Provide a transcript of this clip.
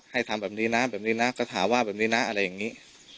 ทำแบบนี้นะแบบนี้นะก็ถามว่าแบบนี้นะอะไรอย่างนี้